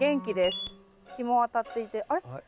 日も当たっていてあれ？